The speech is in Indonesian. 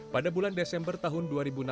pada bulan desember tahun dua ribu enam belas